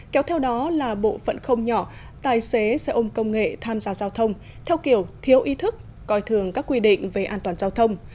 kéo theo đó là bộ phận không nhỏ tài xế xe ôm công nghệ tham gia giao thông theo kiểu thiếu ý thức coi thường các quy định về an toàn giao thông